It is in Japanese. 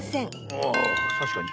ああたしかに。